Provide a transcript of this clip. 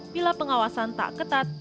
bila pengawasan tak ketat